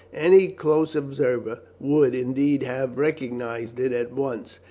Any close observer would, indeed, have recognized it at once.